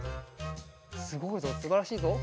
すごいぞすばらしいぞ。